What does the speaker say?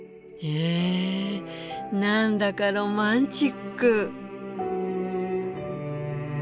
え何だかロマンチック。